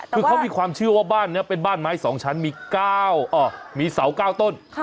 คือเขามีความเชื่อว่าบ้านนี้เป็นบ้านไม้๒ชั้นมีเสา๙ต้น